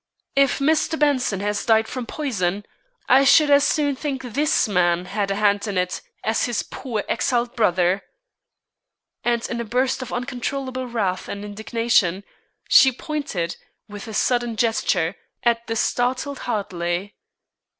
If Mr. Benson has died from poison, I should as soon think this man had a hand in it as his poor exiled brother." And in a burst of uncontrollable wrath and indignation, she pointed, with a sudden gesture, at the startled Hartley.